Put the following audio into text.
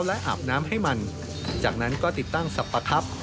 และอาบน้ำให้มันจากนั้นก็ติดตั้งสรรพครับ